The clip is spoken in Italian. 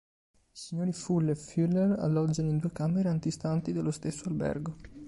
I signori Full e Fuller alloggiano in due camere antistanti dello stesso albergo.